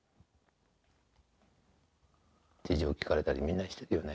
事情聴かれたりみんなしてるよね。